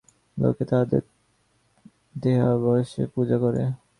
লোকে তাঁহাদের দেহাবশেষ পূজা করে।